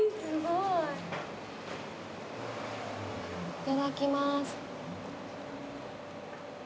いただきます。